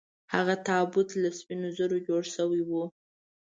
هغه تابوت له سپینو زرو جوړ شوی و.